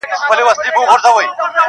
چي فتوا و میکدو ته په تلو راوړي,